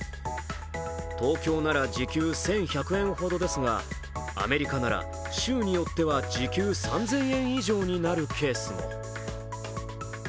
東京なら時給１１００円ほどですがアメリカなら州によっては時給３０００円以上になるケースも。